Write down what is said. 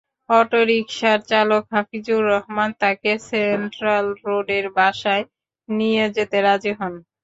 অটোরিকশার চালক হাফিজুর রহমান তাঁকে সেন্ট্রাল রোডের বাসায় নিয়ে যেতে রাজি হন।